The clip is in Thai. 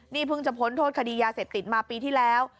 นี่เพิ่งจะพ้นโทษคดียาเสพติดมาปีที่แล้ว